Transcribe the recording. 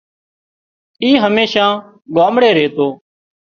اي هميشان ڳامڙي ريتو